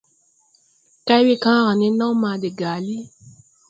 Kay we kããra nen naw ma de gàlí.